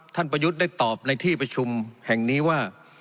ประยุทธ์ได้ตอบในที่ประชุมแห่งนี้ว่า